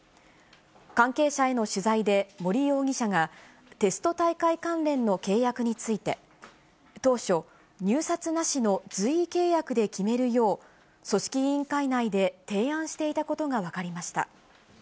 関係者への取材で森容疑者が、テスト大会関連の契約について、当初、入札なしの随意契約で決めるよう、組織委員会内で提案していたことが分かりました。